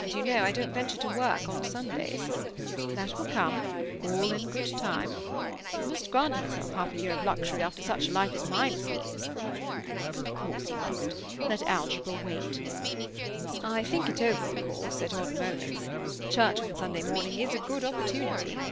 And, you know, I don't venture to work on Sundays. That will come; all in good time. I must grant myself half a year of luxury after such a life as mine has been." "Of course you must. Let algebra wait." "I think it over, of course, at odd moments. Church on Sunday morning is a good opportunity."